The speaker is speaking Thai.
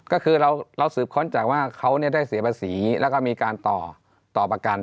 ก็คือเราสืบค้นจากว่าเขาได้เสียภาษีแล้วก็มีการต่อประกัน